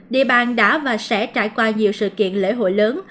địa bàn đã và sẽ trải qua nhiều sự kiện lễ hội lớn